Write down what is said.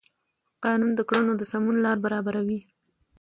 قانون د کړنو د سمون لار برابروي.